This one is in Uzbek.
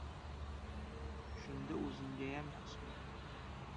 Shunda o‘zinggayam yaxshi bo‘ladi.